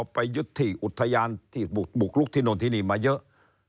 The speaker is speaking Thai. ไปยึดที่อุทยานที่บุกลุกที่โน่นที่นี่มาเยอะ